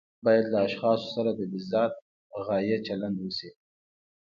باید له اشخاصو سره د بالذات غایې چلند وشي.